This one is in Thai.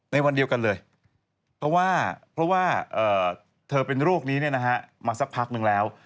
ในวันเดียวกันเลยเพราะว่าเธอเป็นโรคนี้มาสักพักนึงแล้ว